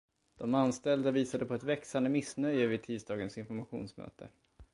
De anställda visade på ett växande missnöje vid tisdagens informationsmöte.